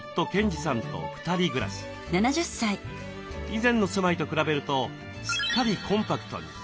以前の住まいと比べるとすっかりコンパクトに。